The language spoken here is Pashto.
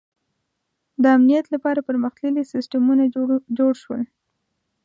• د امنیت لپاره پرمختللي سیستمونه جوړ شول.